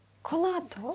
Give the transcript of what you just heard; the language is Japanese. このあと？